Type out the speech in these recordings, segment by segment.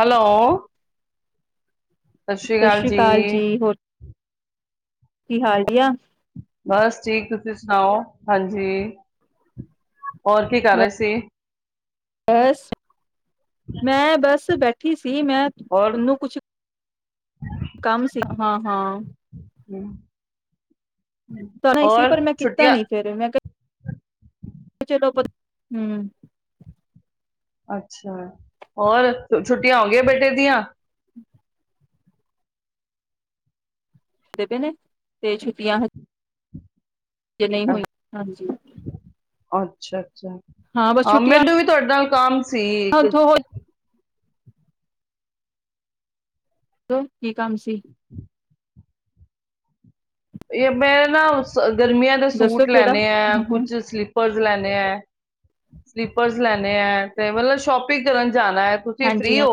Hello ਸਤਿ ਸ੍ਰੀ ਅਕਾਲ ਜੀ ਹੋਰ ਕੀ ਹਾਲ ਵਧੀਆ ਬਸ ਠੀਕ ਤੁਸੀਂ ਸੁਣਾਓ ਹਾਂਜੀ, ਹੋਰ ਕੀ ਕਰ ਰਹੇ ਸੀ। ਬਸ ਮੈਂ ਬਸ ਬੈਠੀ ਸੀ ਮੈਂ, ਹੋਰ ਮੈਂਨੂੰ ਕੁਛ, ਕੰਮ ਸੀ ਹਾਂ ਹਾਂ ਤਾਰ ਆਈ ਸੀ ਹੋਰ ਪਰ ਮੈਂ ਕੀਤਾ ਛੁੱਟੀਆਂ ਨੀ ਫੇਰ ਮੈਂ ਕੇਆ ਚਲੋ ਪ ਹੰਮ੍ਹ। ਅੱਛਾ, ਹੋਰ ਛੁੱਟੀਆਂ ਔ ਗਈਐ ਬੇਟੇ ਦੀਆਂ ਦੇਂਦੇ ਨੇ, ਤੇ ਛੁੱਟੀਆਂ ਜੇ ਨਈਂ ਹੋਈ, ਹਾਂਜੀ। ਅੱਛਾ ਜਾ, ਬਸ ਹਾਂ ਛੁੱਟੀਆਂ ਮੈਨੂੰ ਵੀ ਤੋਡੇ ਨਾਲ ਕੰਮ ਸੀ ਇੱਕ ਉੱਥੋਂ ਹੋ ਹੰਮ੍ਹ ਕੀ ਕੰਮ ਸੀ? ਏ ਮੈਂ ਨਾ ਗਰਮੀਆਂ ਦੇ ਦੱਸੋ ਸੂਟ ਕਿਹੜਾ ਲੈਣੇ ਆ, ਕੁਛ ਸਲੀਪਰਜ਼ ਲੈਣੇ ਸਲੀਪਰਜ਼ ਲੈਨੇ ਐ, ਤੇ ਮਤਲਬ ਸ਼ੋਪਿੰਗ ਕਰਨ ਜਾਣਾ ਐ ਤੁਸੀਂ ਹਾਂਜੀ ਫ੍ਰੀ ਹਾਂ ਔ?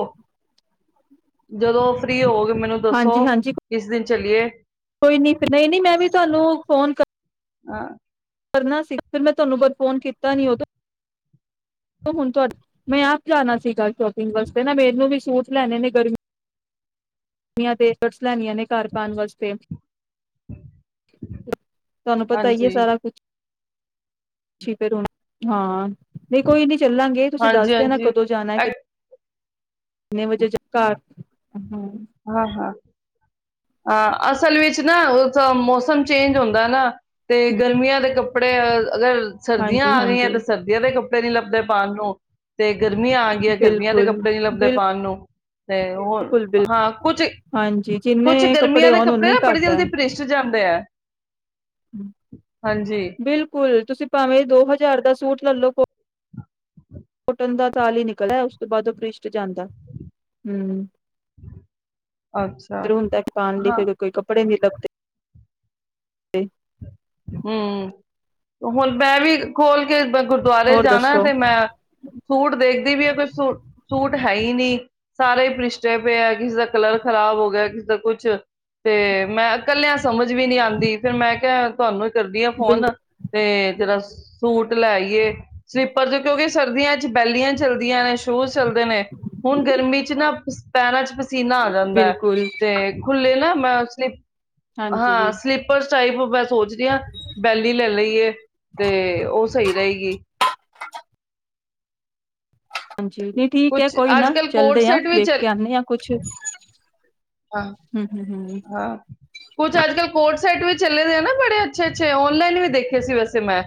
ਜਦੋਂ ਫ੍ਰਰੀ ਓਵੋਗੇ ਮੈਨੂੰ ਹਾਂਜੀ ਦੱਸੋ, ਹਾਂਜੀ ਕਿਸ ਦਿਨ ਚਲੀਏ ਕੋਈ ਨੀ ਨਈਂ, ਨਈਂ ਮੈਂ ਵੀ ਤੋਆਨੂੰ ਫੋਨ ਕਰ ਆਂ। ਕਰਨਾ ਸੀ, ਫਿਰ ਮੈਂ ਤੋਨੂੰ ਬ ਫੋਨ ਕੀਤਾ ਨੀ ਓਦੋਂ ਹੁਣ ਤੋਡ, ਮੈਂ ਆਪ ਜਾਣਾ ਸੀਗਾ ਸ਼ੋਪਿੰਗ ਵਾਸਤੇ ਨਾ ਮੇਨੂੰ ਵੀ ਸੂਟਸ ਲੈਣੇ ਨੇ ਗਰਮੀ ਨੀਆਂ ਤੇ ਲੈਣੀਆਂ ਨੇ ਘਰ ਪਾਣ ਵਾਸਤੇ। ਤੋਆਨੂੰ ਪਤਾ ਈ ਐ ਹਾਂਜੀ। ਸਾਰਾ ਕੁਛ। ਠੀਕੈ, ਹਾਂ। ਨਈਂ, ਕੋਈ ਨੀ ਚੱਲਾਂਗੇ ਤੁਸੀਂ ਦੱਸ ਦੇ ਨਾ ਹਾਂਜੀ-ਹਾਂਜੀ ਕਦੋਂ ਜਾਣਾ ਐ ਕਿ ਕਿੰਨੇ ਵਜੇ ਘਰ, ਹੰਮ੍ਹ ਹਾਂ, ਹਾਂ ਆਂ ਅਸਲ ਵਿੱਚ ਨਾ ਤਾਂ ਮੌਸਮ ਚੇਂਜ ਹੁੰਦਾ ਨਾ ਤੇ ਗਰਮੀਆਂ ਦੇ ਕੱਪੜੇ [unintelligible] ਅਗਰ ਸਰਦੀਆਂ ਹਾਂਜੀ ਆ ਗਈਆਂ ਹਾਂਜੀ ਤੇ ਸਰਦੀਆਂ ਦੇ ਕੱਪ ਨੀ ਲੱਭਦੇ ਪਾਣ ਨੂੰ, ਤੇ ਗਰਮੀਆਂ ਆ ਗਈਆਂ ਗਰਮੀਆਂ ਦੇ ਬਿਲਕੁਲ ਕੱਪੜੇ ਨੀ ਲੱਭਦੇ ਪਾਣ ਨੂੰ। ਤੇ ਹੋਰ। ਬਿਲਕੁਲ ਬਿਲਕੁਲ ਹਾਂ ਕੁਛ, ਹਾਂਜੀ ਜਿੰਨੇ ਕੁਛ ਗਰਮੀਆਂ ਦੇ ਹੋਣ ਓਨੇ ਕੱਪੜੇ ਹੀ ਨਾ ਬੜੀ ਘੱਟ ਹੈ ਜਲਦੀ ਭਿ੍ਰਸ਼ ਜਾਂਦੇ ਐ। ਹਾਂਜੀ ਬਿਲਕੁਲ ਤੁਸੀਂ ਭਾਵੇਂ ਦੋ ਹਜਾਰ ਦਾ ਸੂਟ ਲੋਕੋ ਕੁੱਟਣ ਦਾ ਤਾਲ ਈ ਨਿਕਲਿਆ ਉਸ ਤੋਂ ਬਾਦ ਓ ਪ੍ਰਿਸ਼ਟ ਜਾਂਦਾ, ਹੰਮ੍ਹ। ਅੱਛਾ ਫਿਰ ਹੁਣ ਤੱਕ ਪਾਣ ਲਈ ਹਾਂ ਫਿਰ ਕੋਈ ਕੱਪੜੇ ਮ [unintelligible] ਹੰਮ੍ਹ, ਹੁਣ ਮੈਂ ਵੀ ਖੋਲ ਕੇ ਗੁਰਦੁਵਾਰੇ ਹੋਰ ਜਾਣਾ ਦੱਸੋ ਤੇ ਮੈਂ, ਸੂਟ ਦੇਖਦੀ ਪੀ ਐ ਕੋਈ ਸੂ ਸੂਟ ਹੈ ਈ ਨੀ, ਸਾਰੇ ਈ ਪ੍ਰਿਸ਼ਟੇ ਪਏ ਐ ਕਿਸੇ ਦਾ ਕਲਰ ਖ਼ਰਾਬ ਹੋ ਗੇਆ ਕਿਸੇ ਦਾ ਕੁਛ, ਤੇ ਮੈਂ ਇਕੱਲਿਆਂ ਸਮਝ ਵੀ ਨੀ ਆਂਦੀ ਫਿਰ ਮੈਂ ਕੇਆ ਤੋਨੂੰ ਕਰਦੀ ਆ ਫੋਨ, ਬਿਲਕੁਲ ਤੇ ਤਰ੍ਹਾਂ ਸੂਟ ਲੈਈਏ, ਸਲੀਪਰ ਚ ਕੇਓਂਕਿ ਸਰਦੀਆਂ ਚ ਬੈਲੀਆਂ ਚਲਦੀਆਂ ਨੇ ਸ਼ੂਜ ਚੱਲਦੇ ਨੇ, ਹੁਣ ਗਰਮੀ ਚ ਨਾ ਪੈਰਾਂ ਚ ਪਸੀਨਾ ਆ ਜਾਂਦਾ ਐ, ਬਿਲਕੁਲ ਤੇ ਖੁੱਲੇ ਨਾ ਮੈਂ ਉਸ ਲ ਹਾਂਜੀ ਹਾਂ ਸਲੀਪਰ ਸਈ [unintelligible] ਬੈਲੀ ਲੈ ਲਈਏ ਹਾਂਜੀ, ਨੀਂ ਠੀਕ ਐ ਕੁਛ ਕੋਈ ਅੱਜ ਨਾ, ਕੱਲ ਕੋਟ ਚੱਲਦੇ ਆ ਸੈਟ ਵੀ ਵੇਖ ਚੱਲ ਕੇ ਆਣੇ ਆ ਕੁਛ। ਹਾਂ, ਹੂੰ ਹੂੰ ਹੂੰ ਹਾਂ ਕੁਛ ਅੱਜ-ਕੱਲ ਕੋਡ ਸੈਟ ਵੀ ਚਲੇ ਨੇ ਨਾ ਬੜੇ ਅੱਛੇ ਅੱਛੇ ਔਨਲਾਈਨ ਵੀ ਦੇਖੇ ਸੀ ਵੈਸੇ ਮੈਂ।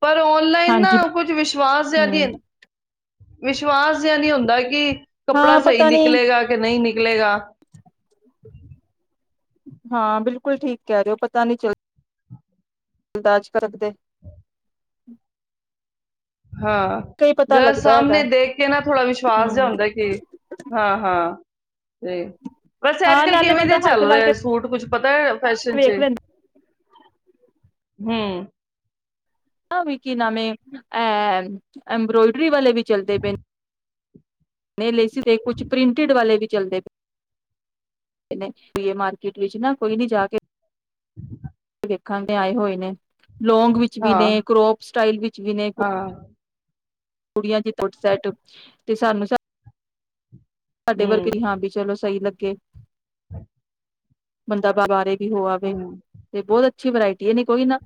ਪਰ ਔਨਲਾਈਨ ਨਾ ਹਾਂਜੀ ਕੁਜ ਵਿਸ਼ਵਾਸ ਜੇਆ ਹੂੰ ਨੀ ਵਿਸ਼ਵਾਸ ਜਿਆ ਨਈਂ ਉਂਦਾ ਕਿ ਕੱਪੜਾ ਹਾਂ ਸਈ ਪਤਾ ਨੀ ਨਿਕਲੇਗਾ ਕੇ ਨਈਂ ਨਿਕ ਨਿਕਲੇਗਾ। ਹਾਂ, ਬਿਲਕੁਲ ਠੀਕ ਕੈ ਰੇਓ ਪਤਾ ਨੀ ਚੱਲ, ਚੱਲਦਾ ਅੱਜਕਲ ਤੇ। ਹਾਂ, ਜਦ ਹੈਗਾ ਸਾਮਣੇ ਦੇਕ ਕੇ ਨਾ ਥੋੜ੍ਹਾ ਵਿਸ਼ਵਾਸ ਜੇਆ ਹੂੰ ਹੁੰਦਾ ਕਿ, ਹਾਂ, ਹਾਂ। ਤੇ, ਵੈਸੇ ਅੱਜ ਹਾਂ ਕੱਲ ਨਾਲੇ ਕਿਵੇਂ ਦੇ ਬੰਦਾ ਹੱਥ ਚੱਲ ਲਾ ਰਏ ਕੇ ਆ ਸੂਟ ਕੁੱਝ ਪਤਾ ਫੈਸ਼ਨ ਵੇਖ ਚ। ਲੈਂਦਾ ਹੂੰ। ਆ ਵੀ ਕੀ ਨਵੇਂ, ਐ, ਐਂਬਰੋਏਡਰੀ ਵਾਲੇ ਵੀ। ਚਲਦੇ ਪਏ ਨ ਨਈਂ ਲੇ ਸੀ ਤੇ ਕੁਛ ਪ੍ਰਿੰਟੀਢ ਵਾਲੇ ਵੀ ਚੱਲਦੇ ਵੀ ਮਾਰਕੀਟ ਵਿਚ ਨਾ ਕੋਈ ਵੀ ਜਾ ਕੇ। ਦੇਖਣ ਦੇ ਆਏ ਹੋਏ ਨੇ। ਲੌਂਗ ਵਿੱਚ ਵੀ ਹਾਂ, ਨੇ, ਕਰੋਪ ਸਟਾਈਲ ਵਿੱਚ ਵੀ ਨੇ ਹਾਂ, ਕੁੜੀਆਂ ਦੀ ਕੁਡ ਸੈਟ, ਤੇ ਸਾਨੂੰ ਸ ਸਾਡੇ ਵਰਗੇ, ਹੂੰ, ਹਾਂ ਬੀ ਚਲੋ ਸਈ ਲੱਗ [unintelligible] [unintelligible] ਬੰਦਾ ਬਾਰੇ ਹੋ ਆਵੇ ਹੂੰ, ਤੇ ਬੋਤ ਅੱ ਅੱਛੀ ਵਰਾਇਟੀ ਐ ਨੀ ਕੋਈ ਨਾ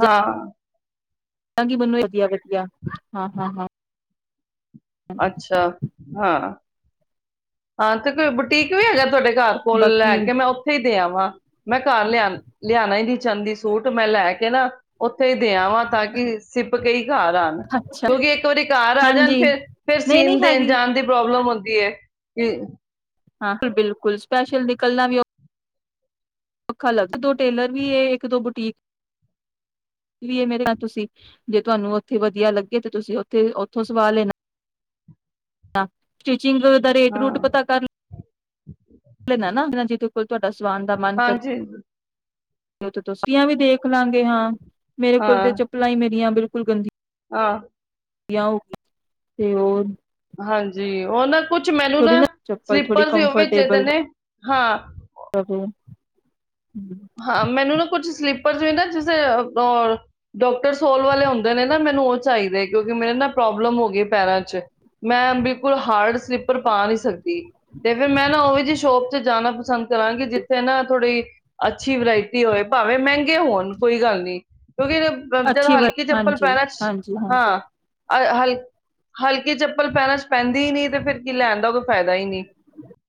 ਹਾਂ। [unintelligible] ਮਨੂੰ ਵਧੀਆ ਵਧੀਆ ਹਾਂ, ਹਾਂ, ਹਾਂ। ਅੱਛਾ। ਹਾਂ। ਹਾਂ, ਤੇ ਕੋਈ ਬੁਟੀਕ ਵੀ ਹੈਗਾ ਤੋਡੇ? ਘਰ ਕੋਲ ਬਾਕੀ ਲੈ ਕੇ ਮੈਂ ਓੱਥੇ ਈ ਦੇ ਆਂਵਾਂ। ਮੈਂ ਘਰ ਲੇਆ, ਲੇਆਣਾ ਈ ਨੀ ਦੀ ਚਾਂਧੀ ਸੂਟ ਮੈਂ ਲੈ ਕੇ ਨਾ, ਓੱਥੇ ਈ ਦੇ ਆਂਵਾਂ ਤਾਂ ਕਿ ਸਿਪ ਕੇ ਈ ਘਰ ਆਣ, ਅੱਛਾ ਕਿਉਂਕਿ ਇੱਕ ਵਾਰੀ ਘਰ ਆ ਜਾਣ ਹਾਂਜੀ ਫਿਰ ਫਿਰ ਨਹੀਂ ਨਹੀਂ ਸੀਨ ਦੇਣ ਹੈਗੀ ਜਾਣ ਦੀ ਪ੍ਰੋਬਲਮ ਹੁੰਦੀ ਦੀਏ। [unintelligible] ਹਾਂ ਬਿਲਕੁੱਲ ਸਪੈਸ਼ਲ ਦੀ ਕੱਲਾਂ ਵੀ ਓ ਔਖਾ ਲੱਗਦਾ ਦੋ ਟੇਲਰ ਵੀ ਏ ਇੱਕ ਦੋ ਬੁਟੀਕ ਵੀ ਮੇਰੇ ਨਾਲ ਤੁਸੀਂ ਜੇ ਤੁਹਾਨੂੰ ਉੱਥੇ ਵਧੀਆ ਲੱਗੇ ਤੇ ਤੁਸੀਂ ਉੱਥੇ ਓਥੋਂ ਸਵਾ ਲੈਨਾ [inaudible] ਸਟੀਚਿੰਗ ਦਾ ਰੇਟ ਹਾਂ ਰੂਟ ਪਤਾ ਕਰ [unintelligible] ਲੈਣਾ ਨਾ [unintelligible] ਜਿਹਦੇ ਕੋਲ ਤੁਹਾਡਾ ਸਵਾਨ ਦਾ ਮਨ ਕਰ ਹਾਂਜੀ [unintelligible] ਤੇ ਤੁੱਸੀਆਂ ਵੀ ਦੇਖ ਲਾਂਗੇ ਹਾਂ। ਮੇਰੇ ਕੋਲ ਹਾਂ ਤੇ ਚੱਪਲਾਂ ਹੀ ਮੇਰੀਆਂ ਬਿਲ ਕੁਲਗੰਦੀ ਹਾਂ। [unintelligible] ਤੇ ਹੋਰ ਹਾਂਜੀ ਓ ਨਾ ਕੁੱਛ ਮੈਨੂੰ ਨਾ ਚੱਪਲ ਥੋੜੀ ਸਲੀਪਰ ਸੀ ਓ ਵੀ ਚਦੇ ਕੰਫਰਟੇਬਲ ਨੇ ਹਾਂ। ਰਵੇ। ਹਾਂ ਮੈਨੂੰ ਨਾ ਕੁੱਛ ਸਲੀਪ [unintelligible] ਪਰ ਜੇ ਨਾ ਜਿਸੇ ਆ ਡੋਕਟਰ ਸੋਲ ਵਾਲੇ ਹੁੰਦੇ ਨੇ ਨਾ ਮੈਨੂੰ ਉਹ ਚਾਈਦੇ ਕਿਉਂਕਿ ਮੇਰੇ ਨਾ ਪ੍ਰੋਬਲਮ ਹੋ ਗਈ ਪੈਰਾਂ ਚ ਮੈਂ ਬਿਲਕੁੱਲ ਹਾਰਡ ਸਲੀਪਰ ਪਾ ਨੀ ਸਕਦੀ ਤੇ ਫਿਰ ਮੈਂ ਨਾ ਓਹ ਜੀ ਸ਼ੋਪ ਚ ਜਾਣਾ ਪਸੰਦ ਕਰਾਂਗੀ ਜਿੱਥੇ ਨਾ ਥੋੜੀ ਅੱਛੀ ਵਰਾਇਟੀ ਹੋਵੇ ਭਾਵੇਂ ਮਹਿੰਗੇ ਹੋਣ ਕੋਈ ਗੱਲ ਨੀ ਕਿਉਂਕਿ ਜ ਜਦ ਅੱਛੀ ਵ ਹਲਕੀ ਚੱਪਲ ਹਾਂਜੀ, ਪੈਰਾਂ ਚ ਹਾਂਜੀ, ਹਾਂਜੀ ਹਾਂ ਹਲ ਹਲਕੀ ਚੱਪਲ ਪੈਰਾਂ ਚ ਪੈਂਦੀ ਹੀ ਨਹੀਂ ਤੇ ਫਿਰ ਕੀ ਲੈਣ ਦਾ ਕੋਈ ਫਾਇਦਾ ਹੀ ਨਹੀਂ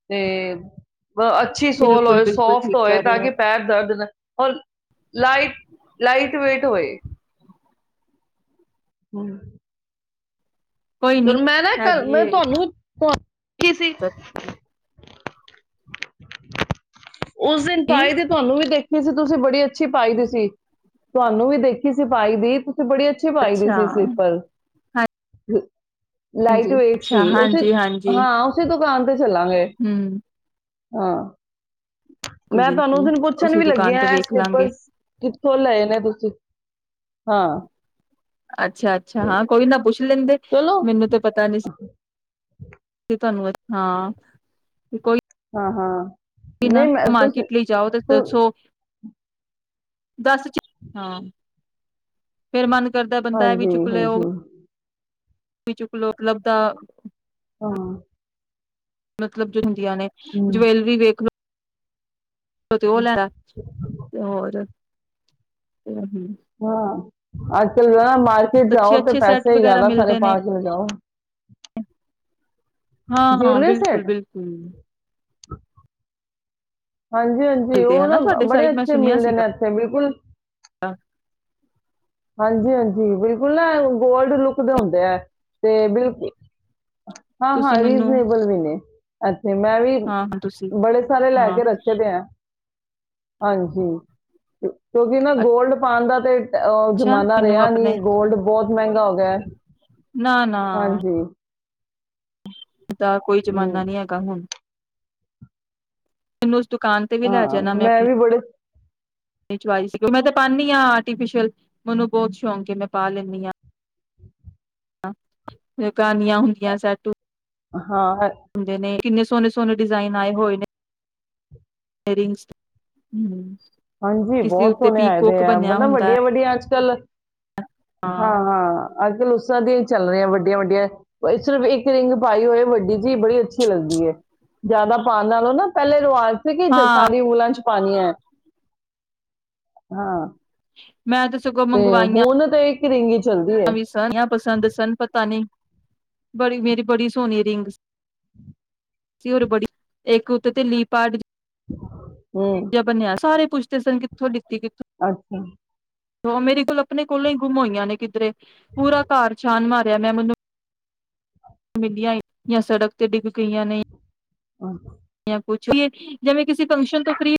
ਤੇ ਅੱਛੀ ਸੋਲ ਬਿਲਕੁਲ, ਹੋਏ ਬਿਲਕੁਲ ਸੋਫਟ ਠੀਕ ਹੋਏ ਕਹਿ ਤਾਂ ਰਹੇ ਹੋ। ਕਿ ਪੈਰ ਦਰਦ ਨ [unintelligible] ਲਾਈਟ ਲਾਈਟ ਵੇਟ ਹੋਏ। ਹੂੰ ਕੋਈ ਨੀ ਮੈਂ ਨਾ ਇਕ ਹੈਗੀ ਮੈਂ ਏ ਤੁਹਾਨੂੰ [unintelligible] [unintelligible] [inaudible] ਉਸ ਦਿਨ ਦੀ ਪਾਏ ਦੇ ਤੁਹਾਨੂੰ ਵੀ ਦੇਖ [unintelligible] ਸੀ ਤੁਸੀਂ ਬੜੀ ਅੱਛੀ ਪਾਈ ਦੀ ਸੀ ਤੁਹਾਨੂੰ ਵੀ ਦੇਖੀ ਸੀ ਪਾਈ ਦੀ ਬੜੀ ਅੱਛੀ ਪਾਈ ਦੀ ਅੱਛਾ ਸੀ ਸਵਲੀਪਰ [unintelligible] ਲਾਈਟ ਹਾਂਜੀ, ਵੇਟ ਸੀ ਅੱਛਾ ਉੱਥੇ ਹਾਂਜੀ, ਹਾਂਜੀ ਹਾਂ ਉੱਥੇ ਤੋਂ [unintelligible] ਚੱਲਾਂਗੇ ਹੂੰ ਹਾਂ। ਬਿਲਕੁਲ, ਮੈਂ ਤੁਹਾਨੂੰ ਉਸ ਬਿਲਕੁਲ ਦਿਨ ਪੁੱਛਣ ਉਸੀ ਵੀ ਦੁਕਾਨ ਲੱਗਿਆ, ਤੇ ਐ ਵੇਖ ਸਲੀਪਰ ਲਾਂਗੇ ਕਿੱਥੋਂ ਲਏ ਨੇ ਤੁਸੀਂ? ਹਾਂ। ਅੱਛਾ ਅੱਛਾ, ਹਾਂ ਕੋਈ ਨਾ ਪੁੱਛ ਲੇਂਦੇ। ਚਲੋ ਮੀਨੂੰ ਤੇ ਪਤਾ ਨੀ ਸੀ ਤੋਆਨੂੰ ਅ ਨਾ, ਕੋਈ ਹਾਂ, ਹਾਂ। ਨਾ, ਨਹੀਂ ਮੈਂ ਤੁਸੀਂ ਮਾਰਕੀਟ ਲਈ ਜਾਓ ਤੇ ਤੁ- ਦੱਸੋ ਦੱਸ ਚ, ਹਾਂ, ਫੇਰ ਮੰਨ ਘਰਦਾ ਬੰਦਾ ਐ ਵੀ ਹਾਂਜੀ ਚੁੱਕ ਲੇ ਓ ਹਾਂਜੀ ਕੀ ਚੁੱਕਲੋ ਲੱਭਦਾ ਹਾਂ। ਮਤਲਬ ਜੋ ਨੇ, ਹਮ ਜਵੈਲਰੀ ਵੇਖ ਲੋ ਤੇ ਓਥੋ ਓ ਲੈਲਾ, ਤੇ ਹੋਰ ਹਮ੍ਹ। ਹਾਂ। ਆਜ ਕੱਲ ਦਾ ਮਾਰਕੀਟ ਜਾਓ ਤੇ ਅੱਛੇ-ਅੱਛੇ ਸੈਟ ਪੈਸੇ ਵਗੈਰਾ ਯਾਦਾ ਸਾਰੇ ਮਿਲਦੇ ਨੇ ਪਾ ਕੇ ਜਾਓ। [inaudible] ਹਾਂ ਬਿਲਕੁਲ ਬਿਲਕੁਲ ਹਾਂਜੀ ਹਾਂਜੀ ਉਹ ਨਾ ਹਨਾ ਤੁਹਾਡੇ ਬੜੇ ਸਾਈਡ ਮੈਂ ਅੱਛੇ ਸੁਣਿਆ ਮਿਲਦੇ ਨੇ ਸੀਗਾ ਇੱਥੇ ਬਿਲਕੁਲ ਹਾਂਜੀ ਹਾਂਜੀ ਬਿਲਕੁਲ ਨਾ ਗੋਲਡ ਲੁੱਕ ਦੇ ਹੁੰਦੇ ਐ ਤੇ ਬਿਲ ਹਾਂ ਹਾਂ ਤੁਸੀਂ ਮੈਨੂੰ ਰੀਜ਼ਨੇਬਲ ਵੀ ਨੇ ਅੱ ਮੈਂ ਵੀ ਹਾਂ ਹਾਂ ਤੁਸੀਂ ਬੜੇ ਸਾਰੇ ਲੈ ਹਾਂ ਕੇ ਰੱਖੇ ਤੇ ਆ ਹਾਂਜੀ ਕਿਉਂਕਿ ਨਾ ਗੋਲਡ ਪਾਉਣ ਦਾ ਤੇ ਉਹ ਅੱਛਾ ਜ਼ਮਾਨਾ ਮੈਨੂੰ ਰਿਹਾ ਨੀ ਗੋਲਡ ਬਹੁਤ ਮਹਿੰਗਾ ਹੋ ਗਿਆ ਹੈ ਨਾ ਨਾ ਹਾਂਜੀ ਦਾ ਕੋਈ ਜ਼ਮਾਨਾ ਹਮ, ਨਹੀਂ ਹੈਗਾ ਹੁਣ ਤੈਨੂੰ ਦੁਕਾਨ ਤੇ ਵੀ ਲੈ ਹਾਂ ਜਾਣਾ ਮੈਂ ਆਪਣੀ ਵੀ ਬੜੇ [unintelligible] ਮੈਂ ਤੇ ਪਾਨੀ ਹਾਂ ਆਰਟੀਫਿਸ਼ੀਅਲ ਮੈਨੂੰ ਬਹੁਤ ਸ਼ੌਂਕ ਹੈ ਮੈਂ ਪਾ ਲੈਂਨੀ ਹਾਂ ਕਹਾਣੀਆਂ ਹੁੰਦੀਆਂ ਸੈਟੂ ਹਾਂ ਕਿੰਨੇ ਸੋਹਣੇ ਸੋਹਣੇ ਡਿਜ਼ਾਇਨ ਆਏ ਹੋਏ ਨੇ ਏਰਿੰਗਸ ਹਮ ਹਾਂਜੀ ਬਹੁਤ ਸੋਹਣੇ ਆਏ ਦੇ ਆ ਮਤਲਬ ਹੁੰਦਾ ਹੈ। ਵੱਡੀਆਂ ਵੱਡੀਆਂ ਅੱਜ ਕੱਲ। ਹਾਂ ਹਾਂ, ਅੱਜਕੱਲ ਦੀਆਂ ਹੀ ਚੱਲ ਰਹੀਆਂ ਵੱਡੀਆਂ ਵੱਡੀਆਂ ਸਿਰਫ ਇੱਕ ਰਿੰਗ ਪਾਈ ਹੋਏ ਵੱਡੀ ਚੀਜ਼ ਬੜੀ ਅੱਛੀ ਲੱਗਦੀ ਐ ਜ਼ਿਆਦਾ ਪਾਉਣ ਨਾਲੋਂ ਨਾ ਪਹਿਲੇ ਰਵਾਜ਼ ਹਾਂ [unintelligible] ਪਾਣੀ ਹੈ ਹਾਂ ਮੈਂ ਸਗੋਂ ਤੇ ਮੰਗਵਾਈਆਂ ਹੁਣ ਤੇ ਇੱ [unintelligible] ਵੀ ਸਨ ਪਸੰਦ ਸਨ ਪਤਾ ਨਹੀਂ ਬੜੀ ਮੇਰੀ ਬੜੀ ਸੋਹਣੀ ਰਿੰਗ ਸੀ ਹੋਰ ਬੜੀ ਇੱਕ ਉੱਤੇ ਤੇ ਲੀਪਾਡ ਹੂੰ [unintelligible] ਬਨਿਆ ਸਾਰੇ ਪੁੱਛਦੇ ਸਨ ਕਿੱਥੋਂ ਲਿੱਤੀ ਕਿੱਥੋਂ ਅੱਛਾ ਮੇਰੇ ਕੋਲ ਆਪਣੇ ਕੋਲੋਂ ਹੀ ਗੁੰਮ ਹੋਈਆਂ ਨੇ ਕਿੱਧਰੇ ਪੂਰਾ ਘਰ ਛਾਨ ਮਾ ਫ ਮੈਂ ਮੈਨੂੰ [unintelligible] ਸੜਕ ਤੇ ਡਿੱਗ ਗਈਆਂ ਨੇ ਹਮ ਪੁਛ ਜਿਵੇਂ ਕਿਸੇ ਫੰਕਸ਼ਨ ਤੋਂ ਫਰੀ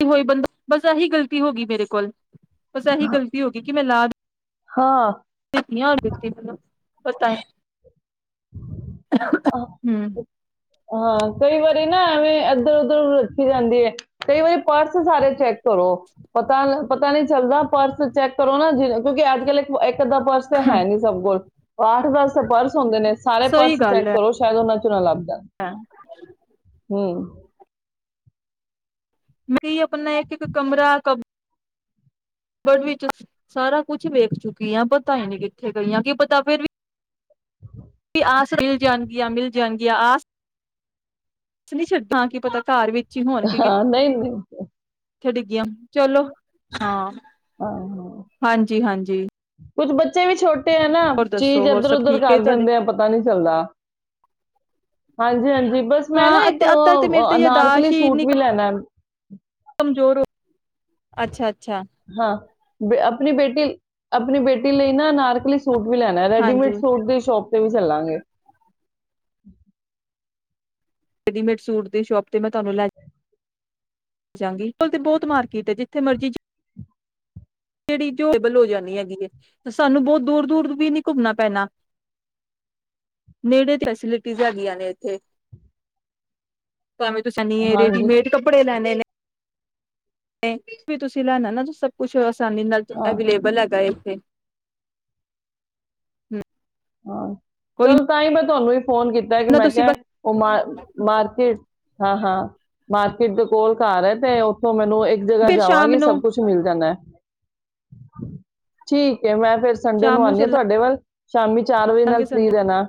[unintelligible] ਬਸ ਆਹੀ ਗਲਤੀ ਹੋ ਗਈ ਮੇਰੇ ਕੋਲ ਬਸ ਇਹੀ ਗਲਤੀ ਹੋ ਗਈ ਕਿ ਮੈਂ ਲਾ ਹਾਂ [unintelligible] ਹੋਤਾ ਹੈ ਹਮ ਹਾਂ ਕਈ ਵਾਰੀ ਨਾ ਐਵੇਂ ਇੱਧਰ ਉੱਧਰ ਰੱਖੀ ਜਾਂਦੀ ਐ ਕਈ ਵਾਰੀ ਪਰਸ ਸਾਰੇ ਚੈੱਕ ਕਰੋ। ਪਤਾ ਪਤਾ ਨੀ ਚੱਲਦਾ ਪਰਸ ਚੈੱਕ ਕਰੋ ਨਾ ਜਿ ਕਿਉਂਕਿ ਅੱਜ ਕੱਲ੍ਹ [unintelligible] ਪਰਸ ਹੈ ਨੀ ਸਭ ਕੋਲ ਪਾਠ ਦਾਸੇ ਪਰਸ ਹੁੰਦਾ ਸਾਰੇ ਪਰਸ ਚੈੱਕ ਕਰੋ ਸ਼ਾਇਦ ਉਹਨਾਂ [unintelligible] ਹਾਂ ਹੂੰ [unintelligible] ਆਪਣਾ ਇੱਕ ਇੱਕ ਕਮਰਾ ਕ ਵਿੱਚ ਸਾਰਾ ਕੁਝ ਵੇਖ ਚੁੱਕੀ ਆ ਪਤਾ ਹੀ ਨਹੀਂ ਕਿੱਥੇ ਗਈਆਂ ਕੀ ਪਤਾ ਫਿਰ ਵੀ ਵੀ ਆਸ ਮਿਲ ਜਾਣਗੀਆਂ ਮਿਲ ਜਾਣਗ ਗਿਆ ਆਸ ਨੀ ਛੱਡਾਂ ਕੀ ਪਤਾ ਘਰ ਵਿੱ ਹਾਂ ਨਹੀਂ ਨਹੀਂ ਥੇ ਡਿੱਗੀਆਂ, ਚਲੋ ਹਾਂ, ਹਾਂਜੀ ਹਾਂਜੀ। ਕੁਛ ਬੱਚੇ ਵੀ ਛੋਟੇ ਐ ਨਾ, ਚੀਜ਼ ਇੱਧਰ ਸਭ ਉਧਰ ਠੀਕ ਹੈ ਕਰ ਤੁਹਾਡੇ ਦਿੰਦੇ ਆ ਪਤਾ ਨੀ ਚੱਲਦਾ। ਹਾਂਜੀ ਹਾਂਜੀ, ਬਸ ਹਾਂ ਮੈਂ ਨਾ ਇੱਕ ਅੱਧ ਅੱਧਾ ਤੇ ਮੇਰੀ ਤੇ ਯਾਦਾਸ਼ ਅਨਾਰਕਲੀ ਸੂਟ ਵੀ ਲੈਣਾ। ਹਮ ਜ਼ੋਰ ਹੋ ਅੱਛਾ-ਅੱਛਾ ਹਾਂ ਬ ਆਪਣੀ ਬੇਟੀ ਆਪਣੀ ਬੇਟੀ ਲਈ ਨਾ ਅਨਾਰਕਲੀ ਸੂਟ ਵੀ ਲੈਣਾ ਹਾਂਜੀ। ਰੈਡੀਮੇਡ ਸੂਟ ਦੀ ਸ਼ੋਪ ਤੇ ਵਿੱ ਚੱਲਾਂਗੇ। ਰੈਡੀਮੇਡ ਸੂਟ ਦੇ ਸ਼ੋਪ ਤੇ ਮੈਂ ਤੁਹਾਨੂੰ ਲੈ ਜਾਂਗੀ [unintelligible] ਤੇ ਬਹੁਤ ਮਾਰਕੀਟ ਹੈ। ਜਿੱਥੇ ਮਰਜ਼ੀ ਜਿਹੜੀ ਅਬਲ ਹੋ ਜਾਣੀ ਹੈਗੀ ਹੈ। ਸਾਨੂੰ ਬਹੁਤ ਦੂਰ ਦੂਰ ਵੀ ਨੀ ਘੁੰਮਣਾ ਪੈਣਾ ਨੇੜੇ ਫੈਸਿਲਿਟੀਜ਼ ਹੈਗੀਆਂ ਨੇ ਇਥੇ। ਭਾਵੇਂ ਤੁਸੀਂਨੀ ਹਾਂਜੀ ਰੇਡੀਮੇਡ ਕੱਪੜੇ ਲੈਣੇ ਨੇ ਵੀ ਤੁਸੀਂ ਲੈਣਾ ਨਾ ਸਭ ਕੁੱਛ ਆਾਨੀ ਨਾਲ ਹਾਂ ਅਵੇਲੇਬਲ ਹੈਗਾ ਹੈ ਇੱਥੇ। ਹਮ‍‍,, ਹਾਂ ਚੱਲ ਤਾਂ ਈ ਮੈਂ ਤੁਹਾਨੂੰ ਵੀ ਫੋਨ ਕੀਤਾ ਕਿ ਨਾ ਮੈਂ ਤੁਸੀਂ ਕਿਹਾ ਬਸ ਉਹ ਮ ਮਾਰਕੀਟ ਹਾਂ ਹਾਂ ਮਾਰਕੀਟ ਦੇ ਕੋਲ ਘਰ ਹੈ। ਤੇ ਓੱਥੋਂ ਮੈਂ ਇੱਕ ਜਗ੍ਹਾ ਫਿਰ ਸ਼ਾਮ ਜਾਵਾਂਗੀ ਨੂੰ ਸਭ ਕੁੱਛ ਮਿਲ ਜਾੱਨਾ ਏ। ਠੀਕ ਏ। ਮੈਂ ਫ਼ਿਰ ਸੰਡੇ ਸ਼ਾਮ ਨੂੰ ਆਂ ਨੀ ਆ ਚੱਲਾਂਗੇ ਤੁਹਾਡੇ ਵੱਲ ਸ਼ਾਮੀ ਚਾਰ ਵਜੇ ਨਾਲ ਫ੍ਰੀ ਸੰਡੇ ਰੈਨਾ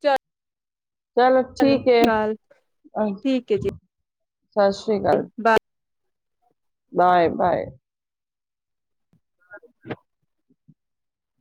ਚ ਚਲੋ ਠੀਕ ਹੈ ਆ ਠੀਕ ਹੈ ਜੀ ਸਤਿ ਸ੍ਰੀ ਅਕਾਲ ਬਾਏ ਬਾਏ ਬਾਏ [inaudible]